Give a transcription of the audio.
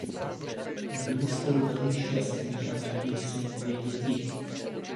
Byli spolu velmi šťastní a narodili se jim dvě děti.